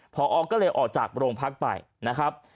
พอก็เลยออกจากโรงพักไปนะครับ